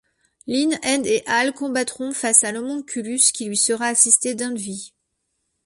Lin, Ed et Al combattront face à l'Homonculus qui lui sera assisté d'Envy.